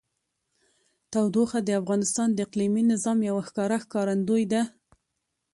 تودوخه د افغانستان د اقلیمي نظام یوه ښکاره ښکارندوی ده.